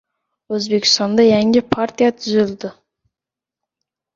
O‘zbekistonda yangi partiya tuzildi